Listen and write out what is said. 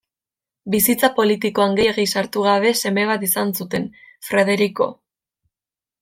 Bizitza politikoan gehiegi sartu gabe seme bat izan zuten, Frederiko.